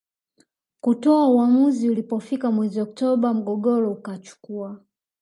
kutoa uamuzi Ulipofika mwezi Oktoba mgogoro ukachukua